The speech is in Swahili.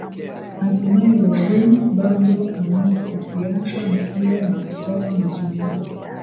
hatimae lauren bagbo aanza kufiata mkia na kutaka mazungumzo